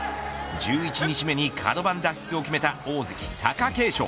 十一日目にかど番脱出を決めた大関、貴景勝。